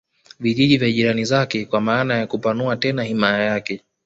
vijiji vya jirani zake kwa maana ya kupanua tena himaya yake